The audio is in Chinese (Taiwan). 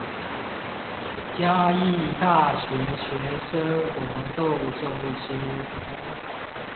嘉義大學學生活動中心